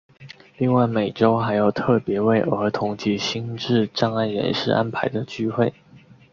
另外每周还有特别为儿童及心智障碍人士安排的聚会。